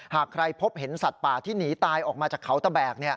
หากใครพบเห็นสัตว์ป่าที่หนีตายออกมาจากเขาตะแบก